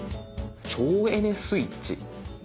「長エネスイッチ」。